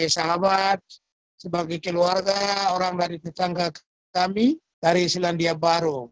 sahabat sebagai keluarga orang dari tetangga kami dari selandia baru